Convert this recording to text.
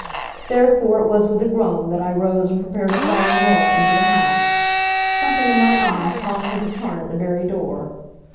Therefore it was with a groan that I rose and prepared to follow Norah into the house. Something in my eye caused her to turn at the very door.